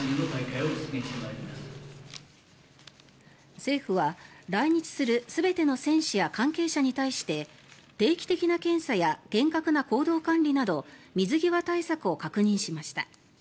政府は来日する全ての選手や関係者に対して定期的な検査や厳格な行動管理など水際対策を確認しました。